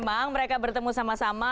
memang mereka bertemu sama sama